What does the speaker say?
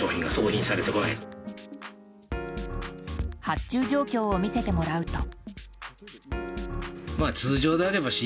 発注状況を見せてもらうと。